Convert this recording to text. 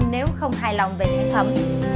nếu không hài lòng về sản phẩm